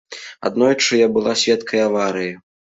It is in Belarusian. Аднойчы я была сведкай аварыі.